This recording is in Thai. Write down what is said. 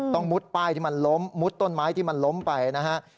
มุดป้ายที่มันล้มมุดต้นไม้ที่มันล้มไปนะฮะ